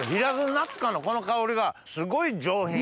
夏香のこの香りがすごい上品。